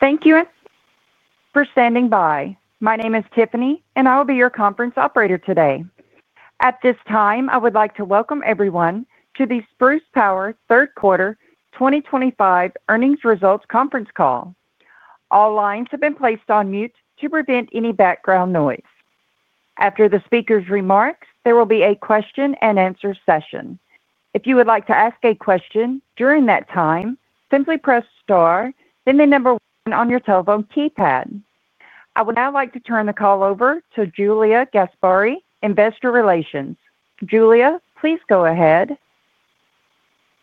Thank you for standing by. My name is Tiffany, and I will be your conference operator today. At this time, I would like to welcome everyone to the Spruce Power third quarter 2025 earnings results conference call. All lines have been placed on mute to prevent any background noise. After the speaker's remarks, there will be a question-and-answer session. If you would like to ask a question during that time, simply press star, then the number one on your telephone keypad. I would now like to turn the call over to Julia Gasbarre, Investor Relations. Julia, please go ahead.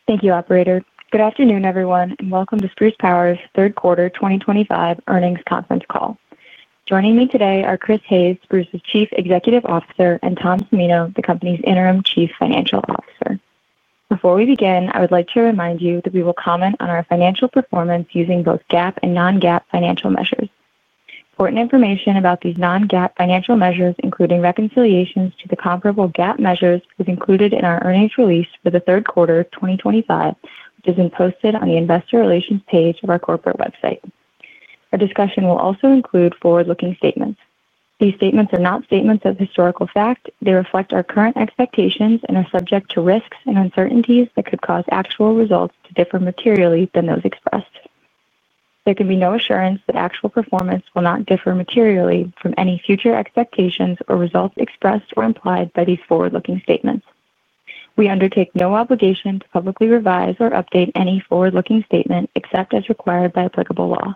Thank you, Operator. Good afternoon, everyone, and welcome to Spruce Power's third quarter 2025 earnings conference call. Joining me today are Chris Hayes, Spruce's Chief Executive Officer, and Tom Cimino, the company's Interim Chief Financial Officer. Before we begin, I would like to remind you that we will comment on our financial performance using both GAAP and non-GAAP financial measures. Important information about these non-GAAP financial measures, including reconciliations to the comparable GAAP measures, is included in our earnings release for the third quarter 2025, which has been posted on the investor relations page of our corporate website. Our discussion will also include forward-looking statements. These statements are not statements of historical fact. They reflect our current expectations and are subject to risks and uncertainties that could cause actual results to differ materially than those expressed. There can be no assurance that actual performance will not differ materially from any future expectations or results expressed or implied by these forward-looking statements. We undertake no obligation to publicly revise or update any forward-looking statement except as required by applicable law.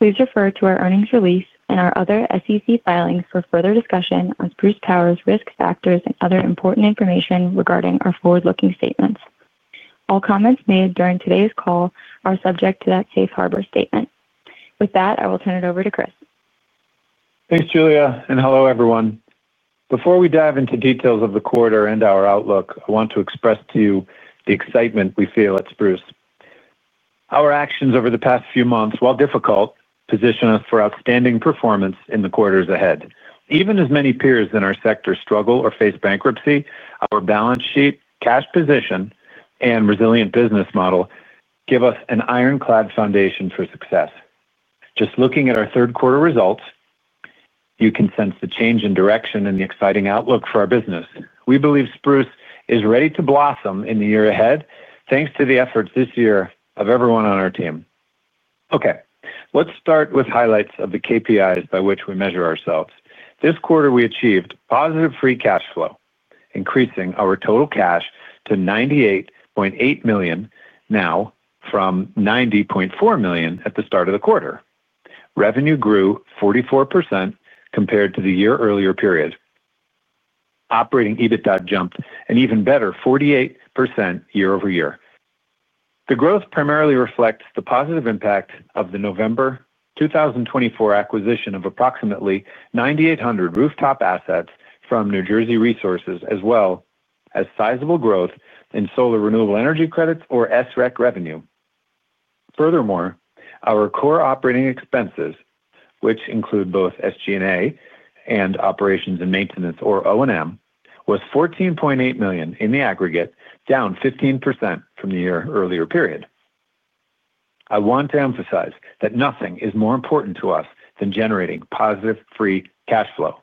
Please refer to our earnings release and our other SEC filings for further discussion on Spruce Power's risk factors and other important information regarding our forward-looking statements. All comments made during today's call are subject to that Safe Harbor statement. With that, I will turn it over to Chris. Thanks, Julia, and hello, everyone. Before we dive into details of the quarter and our outlook, I want to express to you the excitement we feel at Spruce. Our actions over the past few months, while difficult, position us for outstanding performance in the quarters ahead. Even as many peers in our sector struggle or face bankruptcy, our balance sheet, cash position, and resilient business model give us an ironclad foundation for success. Just looking at our third quarter results, you can sense the change in direction and the exciting outlook for our business. We believe Spruce is ready to blossom in the year ahead, thanks to the efforts this year of everyone on our team. Okay, let's start with highlights of the KPIs by which we measure ourselves. This quarter, we achieved positive free cash flow, increasing our total cash to $98.8 million, up from $90.4 million at the start of the quarter. Revenue grew 44% compared to the year-earlier period. Operating EBITDA jumped an even better 48% year-over-year. The growth primarily reflects the positive impact of the November 2024 acquisition of approximately 9,800 rooftop assets from New Jersey Resources, as well as sizable growth in solar renewable energy credits, or SREC revenue. Furthermore, our core operating expenses, which include both SG&A and operations and maintenance, or O&M, were $14.8 million in the aggregate, down 15% from the year-earlier period. I want to emphasize that nothing is more important to us than generating positive free cash flow.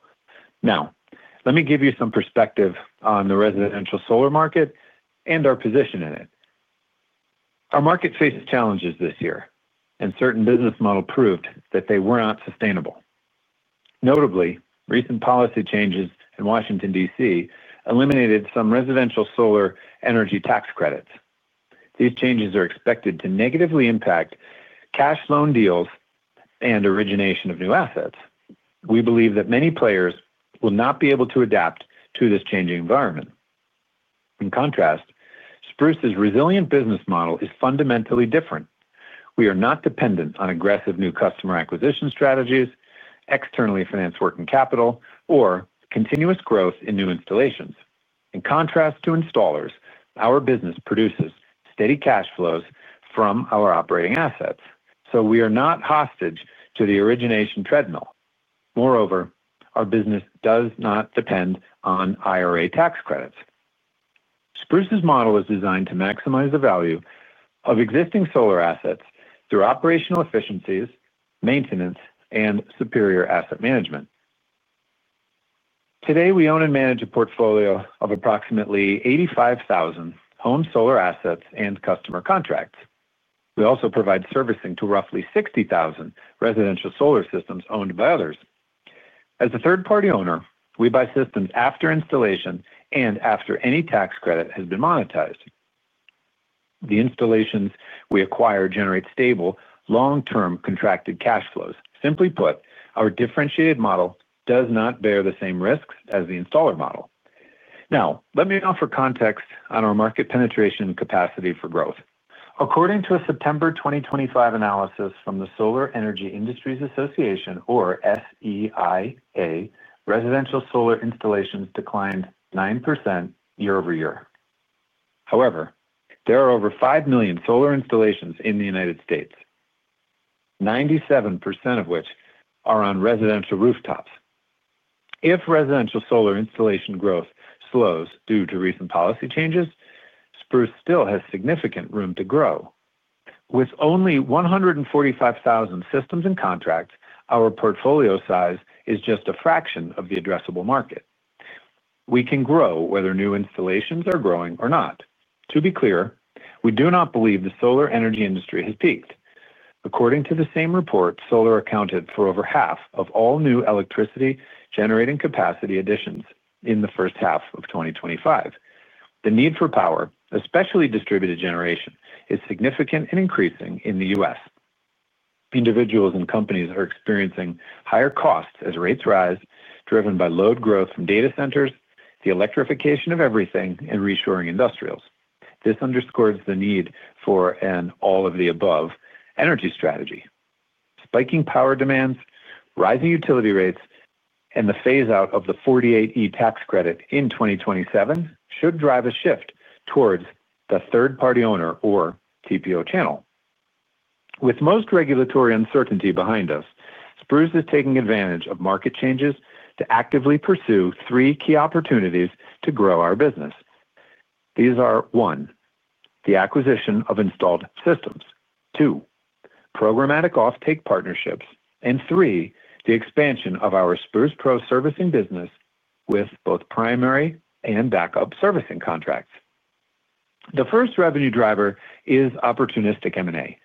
Now, let me give you some perspective on the residential solar market and our position in it. Our market faced challenges this year, and certain business models proved that they were not sustainable. Notably, recent policy changes in Washington, D.C., eliminated some residential solar energy tax credits. These changes are expected to negatively impact cash loan deals and origination of new assets. We believe that many players will not be able to adapt to this changing environment. In contrast, Spruce's resilient business model is fundamentally different. We are not dependent on aggressive new customer acquisition strategies, externally financed working capital, or continuous growth in new installations. In contrast to installers, our business produces steady cash flows from our operating assets, so we are not hostage to the origination treadmill. Moreover, our business does not depend on IRA tax credits. Spruce's model is designed to maximize the value of existing solar assets through operational efficiencies, maintenance, and superior asset management. Today, we own and manage a portfolio of approximately 85,000 home solar assets and customer contracts. We also provide servicing to roughly 60,000 residential solar systems owned by others. As a third-party owner, we buy systems after installation and after any tax credit has been monetized. The installations we acquire generate stable, long-term contracted cash flows. Simply put, our differentiated model does not bear the same risks as the installer model. Now, let me offer context on our market penetration capacity for growth. According to a September 2025 analysis from the Solar Energy Industries Association, or SEIA, residential solar installations declined 9% year-over-year. However, there are over 5 million solar installations in the United States, 97% of which are on residential rooftops. If residential solar installation growth slows due to recent policy changes, Spruce still has significant room to grow. With only 145,000 systems and contracts, our portfolio size is just a fraction of the addressable market. We can grow whether new installations are growing or not. To be clear, we do not believe the solar energy industry has peaked. According to the same report, solar accounted for over half of all new electricity generating capacity additions in the first half of 2025. The need for power, especially distributed generation, is significant and increasing in the U.S. Individuals and companies are experiencing higher costs as rates rise, driven by load growth from data centers, the electrification of everything, and reshoring industrials. This underscores the need for an all-of-the-above energy strategy. Spiking power demands, rising utility rates, and the phase-out of the 48E tax credit in 2027 should drive a shift towards the third-party owner or TPO channel. With most regulatory uncertainty behind us, Spruce is taking advantage of market changes to actively pursue three key opportunities to grow our business. These are: one, the acquisition of installed systems; two, programmatic off-take partnerships; and three, the expansion of our Spruce PRO servicing business with both primary and backup servicing contracts. The first revenue driver is opportunistic M&A.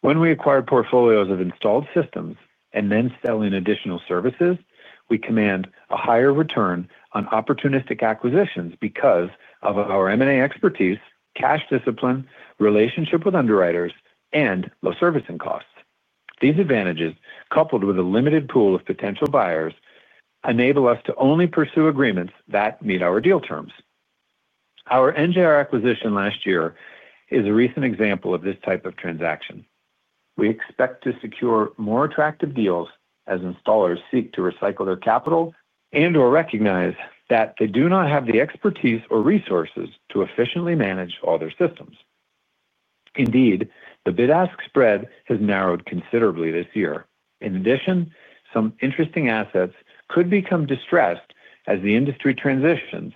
When we acquire portfolios of installed systems and then sell in additional services, we command a higher return on opportunistic acquisitions because of our M&A expertise, cash discipline, relationship with underwriters, and low servicing costs. These advantages, coupled with a limited pool of potential buyers, enable us to only pursue agreements that meet our deal terms. Our NJR acquisition last year is a recent example of this type of transaction. We expect to secure more attractive deals as installers seek to recycle their capital and/or recognize that they do not have the expertise or resources to efficiently manage all their systems. Indeed, the bid-ask spread has narrowed considerably this year. In addition, some interesting assets could become distressed as the industry transitions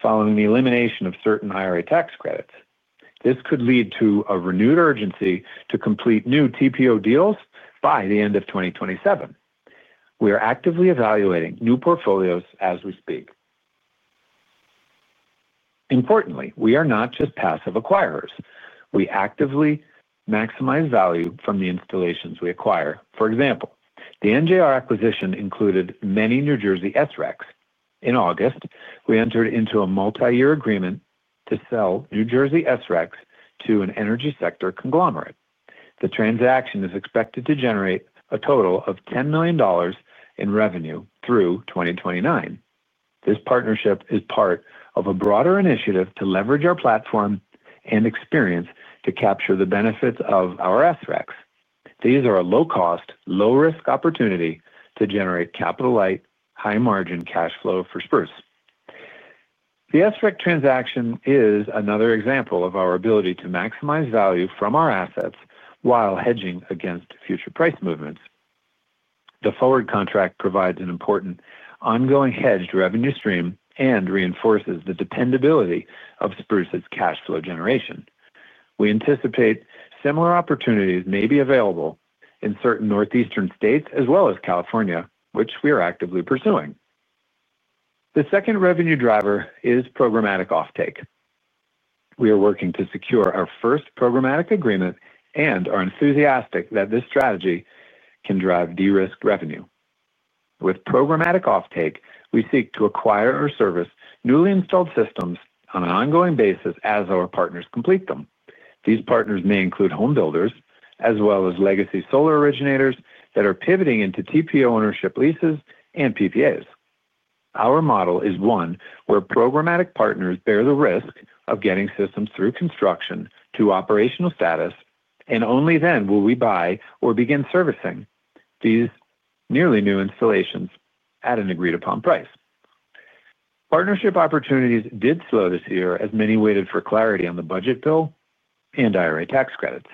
following the elimination of certain IRA tax credits. This could lead to a renewed urgency to complete new TPO deals by the end of 2027. We are actively evaluating new portfolios as we speak. Importantly, we are not just passive acquirers. We actively maximize value from the installations we acquire. For example, the NJR acquisition included many New Jersey SRECs. In August, we entered into a multi-year agreement to sell New Jersey SRECs to an energy sector conglomerate. The transaction is expected to generate a total of $10 million in revenue through 2029. This partnership is part of a broader initiative to leverage our platform and experience to capture the benefits of our SRECs. These are a low-cost, low-risk opportunity to generate capital-light, high-margin cash flow for Spruce. The SREC transaction is another example of our ability to maximize value from our assets while hedging against future price movements. The forward contract provides an important ongoing hedged revenue stream and reinforces the dependability of Spruce's cash flow generation. We anticipate similar opportunities may be available in certain northeastern states as well as California, which we are actively pursuing. The second revenue driver is programmatic off-take. We are working to secure our first programmatic agreement and are enthusiastic that this strategy can drive de-risk revenue. With programmatic off-take, we seek to acquire or service newly installed systems on an ongoing basis as our partners complete them. These partners may include home builders as well as legacy solar originators that are pivoting into TPO ownership leases and PPAs. Our model is one where programmatic partners bear the risk of getting systems through construction to operational status, and only then will we buy or begin servicing these nearly new installations at an agreed-upon price. Partnership opportunities did slow this year as many waited for clarity on the budget bill and IRA tax credits.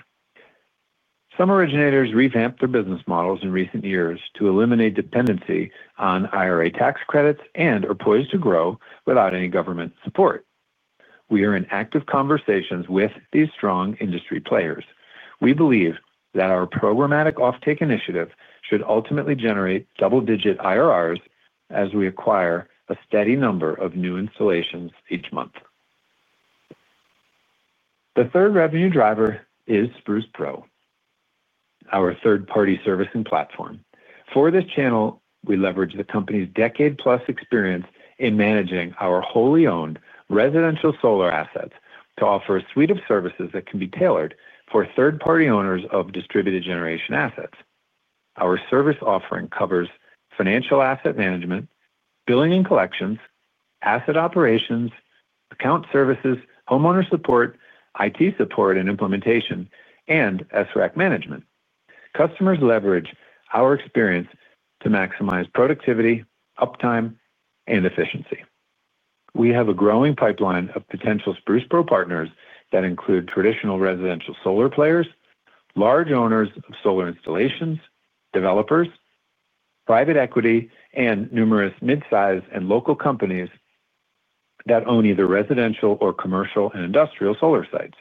Some originators revamped their business models in recent years to eliminate dependency on IRA tax credits and are poised to grow without any government support. We are in active conversations with these strong industry players. We believe that our programmatic off-take initiative should ultimately generate double-digit IRRs as we acquire a steady number of new installations each month. The third revenue driver is Spruce PRO, our third-party servicing platform. For this channel, we leverage the company's decade-plus experience in managing our wholly owned residential solar assets to offer a suite of services that can be tailored for third-party owners of distributed generation assets. Our service offering covers financial asset management, billing and collections, asset operations, account services, homeowner support, IT support and implementation, and SREC management. Customers leverage our experience to maximize productivity, uptime, and efficiency. We have a growing pipeline of potential Spruce PRO partners that include traditional residential solar players, large owners of solar installations, developers, private equity, and numerous mid-size and local companies that own either residential or commercial and industrial solar sites.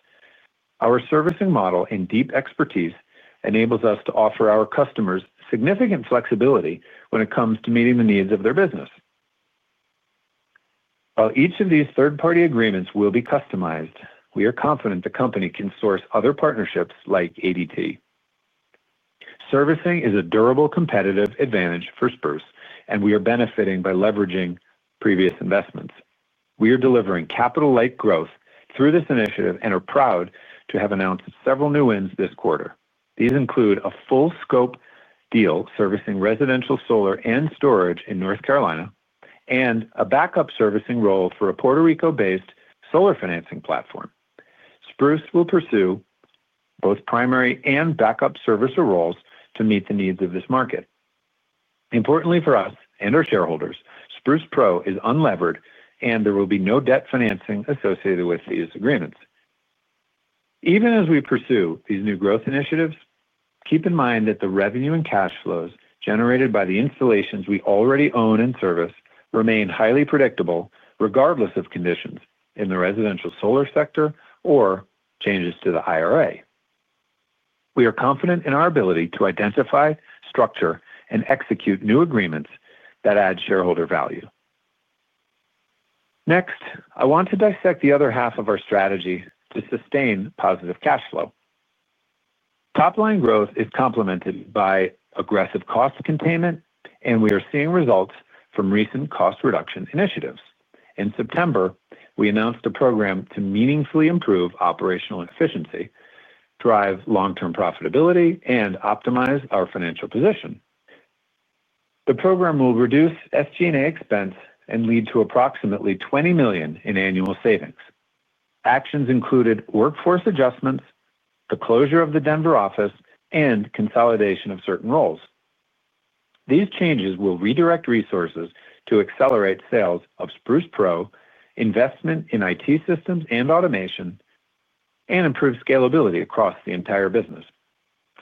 Our servicing model and deep expertise enables us to offer our customers significant flexibility when it comes to meeting the needs of their business. While each of these third-party agreements will be customized, we are confident the company can source other partnerships like ADT. Servicing is a durable competitive advantage for Spruce, and we are benefiting by leveraging previous investments. We are delivering capital-light growth through this initiative and are proud to have announced several new wins this quarter. These include a full-scope deal servicing residential solar and storage in North Carolina and a backup servicing role for a Puerto Rico-based solar financing platform. Spruce will pursue both primary and backup servicer roles to meet the needs of this market. Importantly for us and our shareholders, Spruce PRO is unlevered, and there will be no debt financing associated with these agreements. Even as we pursue these new growth initiatives, keep in mind that the revenue and cash flows generated by the installations we already own and service remain highly predictable regardless of conditions in the residential solar sector or changes to the IRA. We are confident in our ability to identify, structure, and execute new agreements that add shareholder value. Next, I want to dissect the other half of our strategy to sustain positive cash flow. Top-line growth is complemented by aggressive cost containment, and we are seeing results from recent cost reduction initiatives. In September, we announced a program to meaningfully improve operational efficiency, drive long-term profitability, and optimize our financial position. The program will reduce SG&A expense and lead to approximately $20 million in annual savings. Actions included workforce adjustments, the closure of the Denver office, and consolidation of certain roles. These changes will redirect resources to accelerate sales of Spruce PRO, investment in IT systems and automation, and improve scalability across the entire business.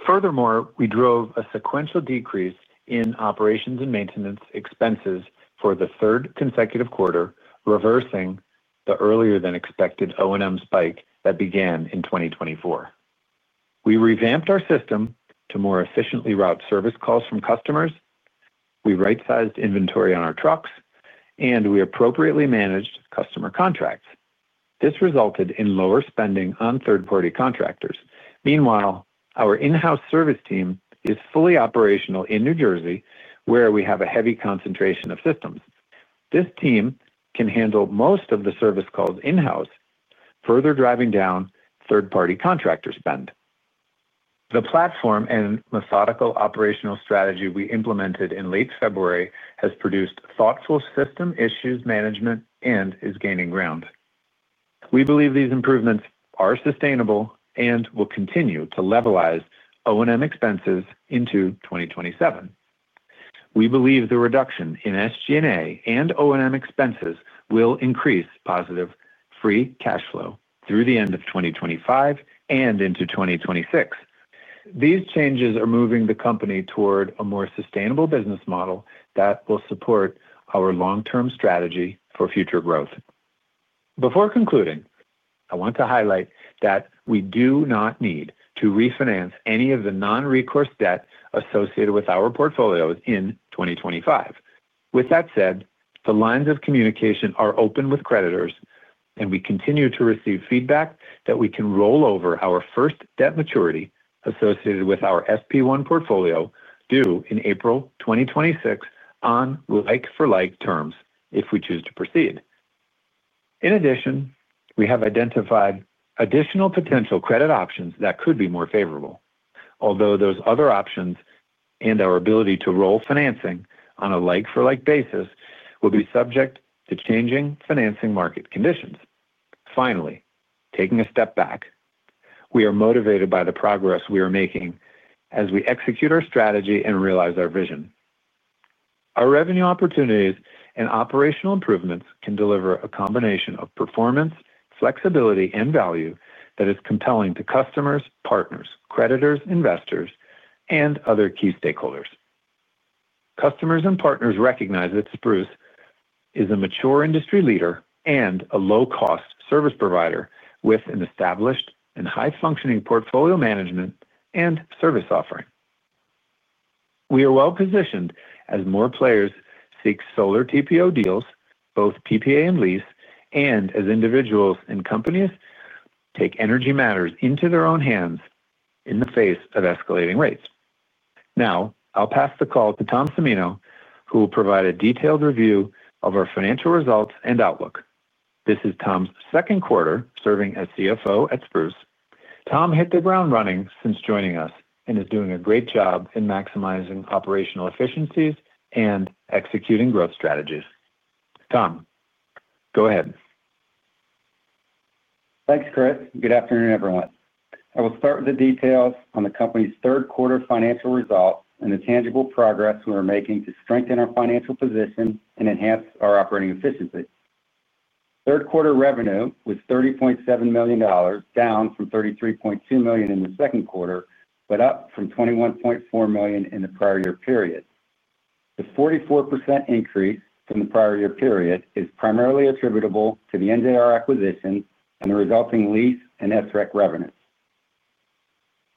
Furthermore, we drove a sequential decrease in operations and maintenance expenses for the third consecutive quarter, reversing the earlier-than-expected O&M spike that began in 2024. We revamped our system to more efficiently route service calls from customers, we right-sized inventory on our trucks, and we appropriately managed customer contracts. This resulted in lower spending on third-party contractors. Meanwhile, our in-house service team is fully operational in New Jersey, where we have a heavy concentration of systems. This team can handle most of the service calls in-house, further driving down third-party contractor spend. The platform and methodical operational strategy we implemented in late February has produced thoughtful system issues management and is gaining ground. We believe these improvements are sustainable and will continue to levelize O&M expenses into 2027. We believe the reduction in SG&A and O&M expenses will increase positive free cash flow through the end of 2025 and into 2026. These changes are moving the company toward a more sustainable business model that will support our long-term strategy for future growth. Before concluding, I want to highlight that we do not need to refinance any of the non-recourse debt associated with our portfolios in 2025. With that said, the lines of communication are open with creditors, and we continue to receive feedback that we can roll over our first debt maturity associated with our SP1 portfolio due in April 2026 on like-for-like terms if we choose to proceed. In addition, we have identified additional potential credit options that could be more favorable, although those other options and our ability to roll financing on a like-for-like basis will be subject to changing financing market conditions. Finally, taking a step back, we are motivated by the progress we are making as we execute our strategy and realize our vision. Our revenue opportunities and operational improvements can deliver a combination of performance, flexibility, and value that is compelling to customers, partners, creditors, investors, and other key stakeholders. Customers and partners recognize that Spruce is a mature industry leader and a low-cost service provider with an established and high-functioning portfolio management and service offering. We are well-positioned as more players seek solar TPO deals, both PPA and lease, and as individuals and companies take energy matters into their own hands in the face of escalating rates. Now, I'll pass the call to Tom Cimino, who will provide a detailed review of our financial results and outlook. This is Tom's second quarter serving as CFO at Spruce. Tom hit the ground running since joining us and is doing a great job in maximizing operational efficiencies and executing growth strategies. Tom, go ahead. Thanks, Chris. Good afternoon, everyone. I will start with the details on the company's third-quarter financial results and the tangible progress we are making to strengthen our financial position and enhance our operating efficiency. Third-quarter revenue was $30.7 million, down from $33.2 million in the second quarter but up from $21.4 million in the prior-year period. The 44% increase from the prior-year period is primarily attributable to the NJR acquisition and the resulting lease and SREC revenues.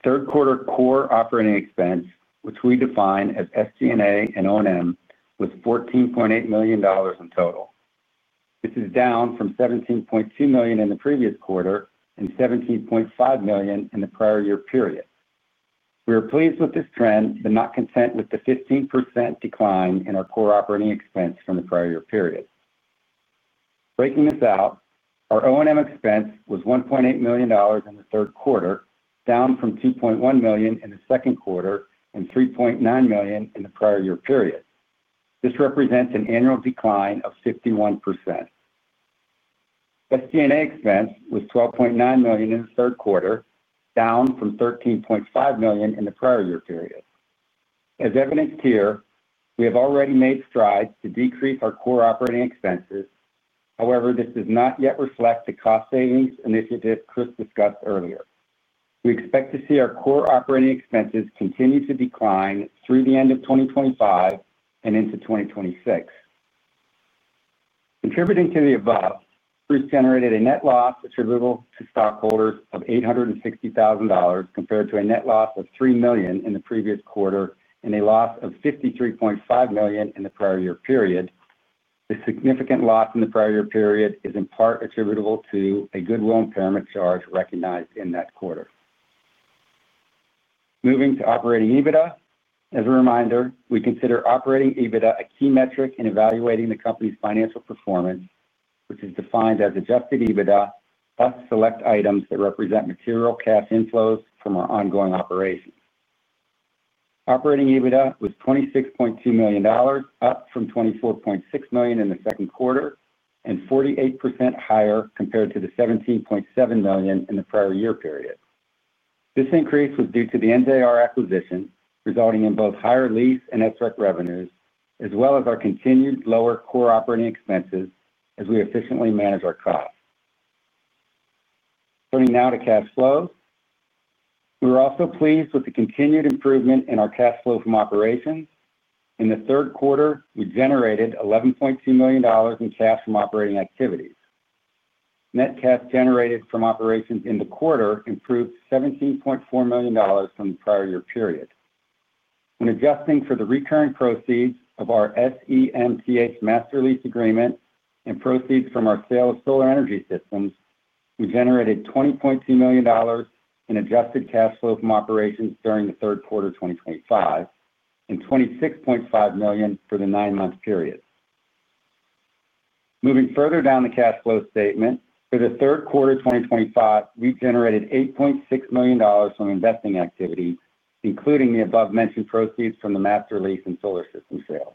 Third-quarter core operating expense, which we define as SG&A and O&M, was $14.8 million in total. This is down from $17.2 million in the previous quarter and $17.5 million in the prior-year period. We are pleased with this trend but not content with the 15% decline in our core operating expense from the prior-year period. Breaking this out, our O&M expense was $1.8 million in the third quarter, down from $2.1 million in the second quarter and $3.9 million in the prior-year period. This represents an annual decline of 51%. SG&A expense was $12.9 million in the third quarter, down from $13.5 million in the prior-year period. As evidenced here, we have already made strides to decrease our core operating expenses. However, this does not yet reflect the cost savings initiative Chris discussed earlier. We expect to see our core operating expenses continue to decline through the end of 2025 and into 2026. Contributing to the above, Spruce generated a net loss attributable to stockholders of $860,000 compared to a net loss of $3 million in the previous quarter and a loss of $53.5 million in the prior-year period. The significant loss in the prior-year period is in part attributable to a goodwill impairment charge recognized in that quarter. Moving to operating EBITDA. As a reminder, we consider operating EBITDA a key metric in evaluating the company's financial performance, which is defined as adjusted EBITDA plus select items that represent material cash inflows from our ongoing operations. Operating EBITDA was $26.2 million, up from $24.6 million in the second quarter and 48% higher compared to the $17.7 million in the prior-year period. This increase was due to the NJR acquisition, resulting in both higher lease and SREC revenues, as well as our continued lower core operating expenses as we efficiently manage our costs. Turning now to cash flows, we are also pleased with the continued improvement in our cash flow from operations. In the third quarter, we generated $11.2 million in cash from operating activities. Net cash generated from operations in the quarter improved $17.4 million from the prior-year period. When adjusting for the recurring proceeds of our SEMTH master lease agreement and proceeds from our sale of solar energy systems, we generated $20.2 million in adjusted cash flow from operations during the third quarter of 2025 and $26.5 million for the nine-month period. Moving further down the cash flow statement, for the third quarter of 2025, we generated $8.6 million from investing activities, including the above-mentioned proceeds from the master lease and solar system sales.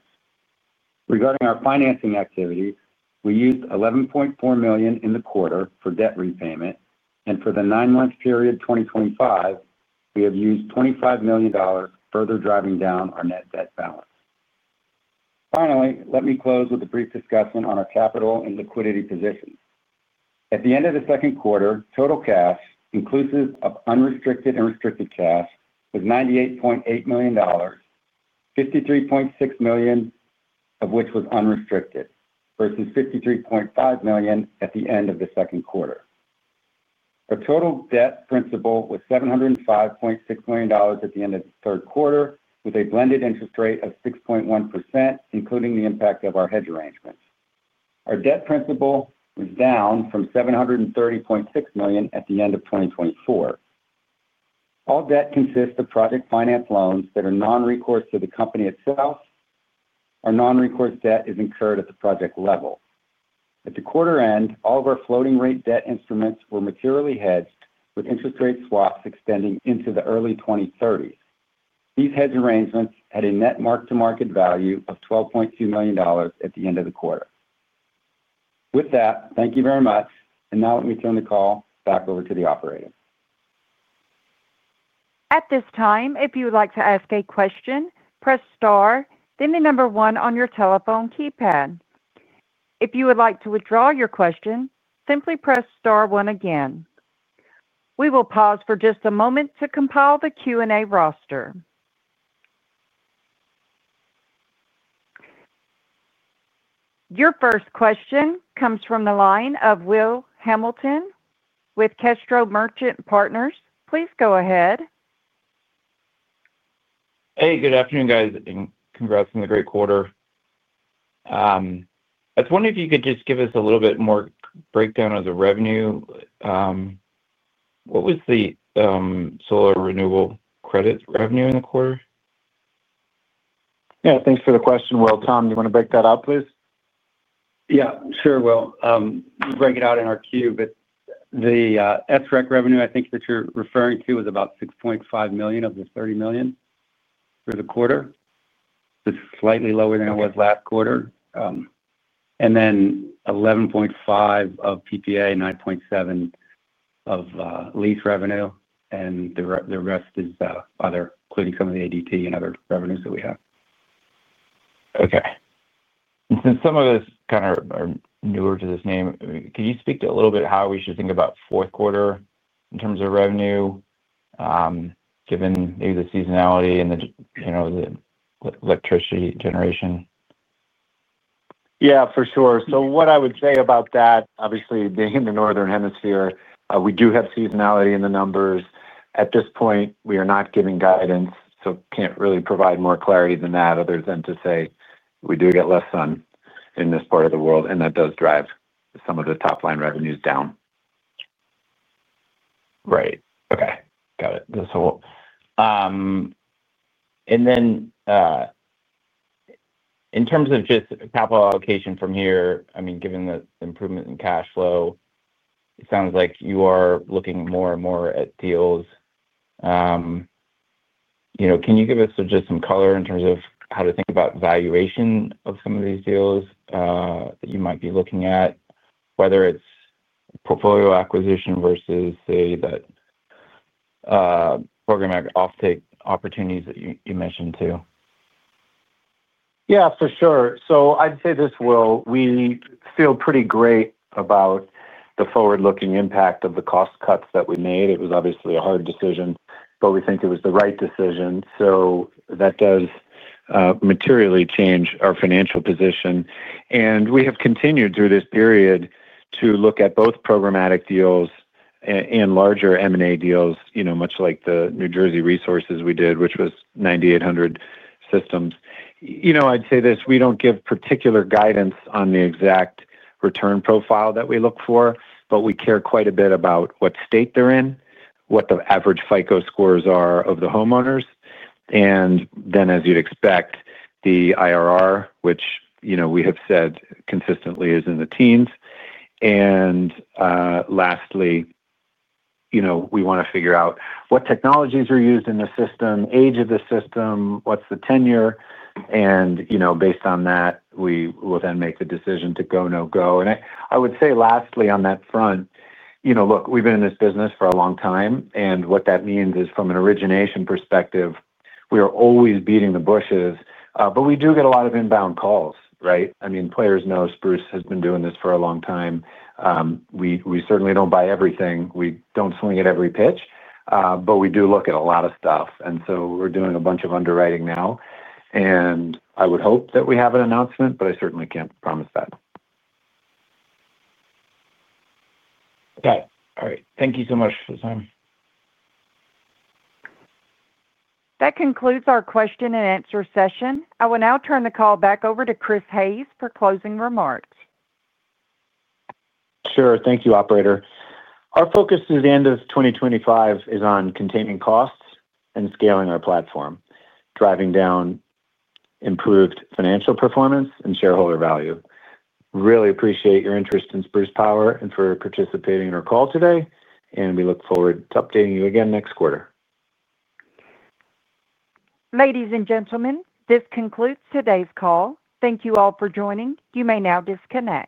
Regarding our financing activities, we used $11.4 million in the quarter for debt repayment, and for the nine-month period of 2025, we have used $25 million further driving down our net debt balance. Finally, let me close with a brief discussion on our capital and liquidity position. At the end of the second quarter, total cash, inclusive of unrestricted and restricted cash, was $98.8 million, $53.6 million of which was unrestricted, versus $53.5 million at the end of the second quarter. Our total debt principal was $705.6 million at the end of the third quarter, with a blended interest rate of 6.1%, including the impact of our hedge arrangements. Our debt principal was down from $730.6 million at the end of 2024. All debt consists of project finance loans that are non-recourse to the company itself. Our non-recourse debt is incurred at the project level. At the quarter end, all of our floating-rate debt instruments were materially hedged, with interest rate swaps extending into the early 2030s. These hedge arrangements had a net mark-to-market value of $12.2 million at the end of the quarter. With that, thank you very much, and now let me turn the call back over to the operator. At this time, if you would like to ask a question, press star, then the number one on your telephone keypad. If you would like to withdraw your question, simply press star one again. We will pause for just a moment to compile the Q&A roster. Your first question comes from the line of Will Hamilton with Kestro Merchant Partners. Please go ahead. Hey, good afternoon, guys, and congrats on the great quarter. I was wondering if you could just give us a little bit more breakdown of the revenue. What was the solar renewal credit revenue in the quarter? Yeah, thanks for the question. Will, Tom, do you want to break that out, please? Yeah, sure. We'll break it out in our queue. But the SREC revenue, I think that you're referring to, was about $6.5 million of the $30 million for the quarter. It's slightly lower than it was last quarter. And then $11.5 million of PPA, $9.7 million of lease revenue, and the rest is other, including some of the ADT and other revenues that we have. Okay. Since some of us kind of are newer to this name, could you speak to a little bit how we should think about fourth quarter in terms of revenue, given maybe the seasonality and the electricity generation? Yeah, for sure. What I would say about that, obviously, being in the northern hemisphere, we do have seasonality in the numbers. At this point, we are not giving guidance, so can't really provide more clarity than that other than to say we do get less sun in this part of the world, and that does drive some of the top-line revenues down. Right. Okay. Got it. In terms of just capital allocation from here, I mean, given the improvement in cash flow, it sounds like you are looking more and more at deals. Can you give us just some color in terms of how to think about valuation of some of these deals that you might be looking at, whether it's portfolio acquisition versus, say, that program offtake opportunities that you mentioned too? Yeah, for sure. I'd say this, Will, we feel pretty great about the forward-looking impact of the cost cuts that we made. It was obviously a hard decision, but we think it was the right decision. That does materially change our financial position. We have continued through this period to look at both programmatic deals and larger M&A deals, much like the New Jersey Resources we did, which was 9,800 systems. I'd say this: we don't give particular guidance on the exact return profile that we look for, but we care quite a bit about what state they're in, what the average FICO scores are of the homeowners. As you'd expect, the IRR, which we have said consistently is in the teens. Lastly, we want to figure out what technologies are used in the system, age of the system, what's the tenure. Based on that, we will then make the decision to go, no, go. I would say lastly on that front, look, we've been in this business for a long time. What that means is, from an origination perspective, we are always beating the bushes. We do get a lot of inbound calls, right? I mean, players know Spruce has been doing this for a long time. We certainly don't buy everything. We do not swing at every pitch, but we do look at a lot of stuff. We are doing a bunch of underwriting now. I would hope that we have an announcement, but I certainly cannot promise that. Okay. All right. Thank you so much for your time. That concludes our question-and-answer session. I will now turn the call back over to Chris Hayes for closing remarks. Sure. Thank you, Operator. Our focus at the end of 2025 is on containing costs and scaling our platform, driving down improved financial performance and shareholder value. Really appreciate your interest in Spruce Power and for participating in our call today. We look forward to updating you again next quarter. Ladies and gentlemen, this concludes today's call. Thank you all for joining. You may now disconnect.